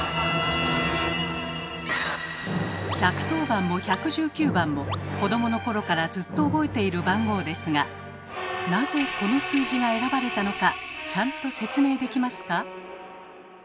１１０番も１１９番も子どもの頃からずっと覚えている番号ですがなぜこの数字が選ばれたのかちゃんと説明できますか？